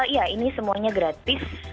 ya ini semuanya gratis